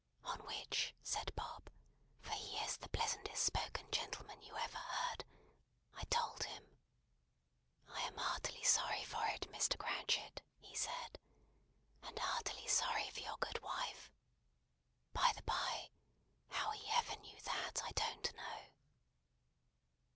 "On which," said Bob, "for he is the pleasantest spoken gentleman you ever heard, I told him. 'I am heartily sorry for it, Mr. Cratchit,' he said, 'and heartily sorry for your good wife.' By the bye, how he ever knew that, I don't know."